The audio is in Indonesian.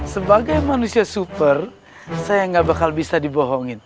sebagai manusia super saya gak bakal bisa dibohongin